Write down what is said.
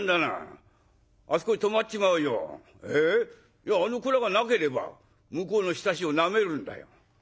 「いやあの蔵がなければ向こうのひさしをなめるんだよ。